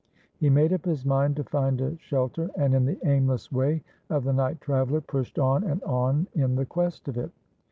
He made up his mind to find a shelter, and in the aimless way of the night traveler, pushed on and on in the quest of it.